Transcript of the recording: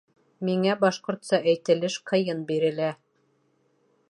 Миңә башҡортса әйтелеш ҡыйын бирелә.